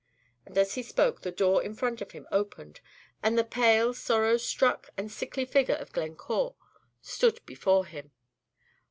And as he spoke, the door in front of him opened, and the pale, sorrow struck, and sickly figure of Glencore stood before him.